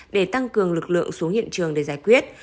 để tăng cường lực lượng xuống hiện trường để giải quyết